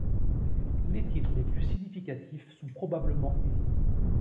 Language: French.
Les titres les plus significatifs sont probablement ' et '.